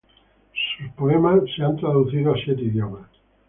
Sus poemas han sido traducidos a siete idiomas.